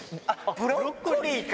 ブロッコリーか。